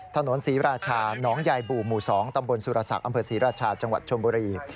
ถนนศรีราชาน้องยายบู่หมู่๒ตำบลสุรศักดิ์อำเภอศรีราชาจังหวัดชมบุรี